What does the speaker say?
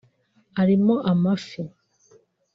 arimo amafi